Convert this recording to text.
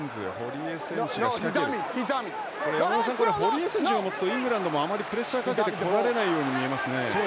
堀江選手が持つとイングランドもあまりプレッシャーかけてこられないように見えますね。